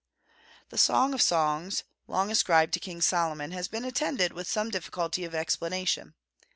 The Song of Songs, long ascribed to King Solomon, has been attended with some difficulty of explanation.